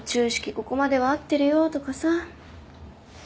ここまでは合ってるよとかさ。